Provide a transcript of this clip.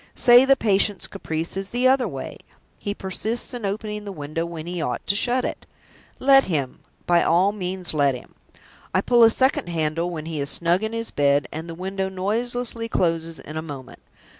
Say the patient's caprice is the other way he persists in opening the window when he ought to shut it. Let him! by all means, let him! I pull a second handle when he is snug in his bed, and the window noiselessly closes in a moment.